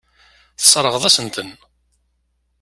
Tesseṛɣeḍ-asen-ten.